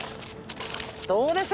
どうです？